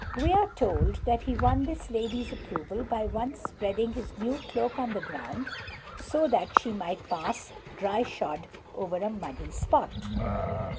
We are told that he won this lady's approval by once spreading his new cloak on the ground so that she might pass dry shod over a muddy spot.